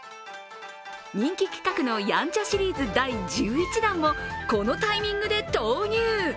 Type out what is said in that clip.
人気企画のやんちゃシリーズ第１１弾もこのタイミングで投入。